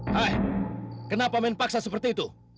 hai kenapa main paksa seperti itu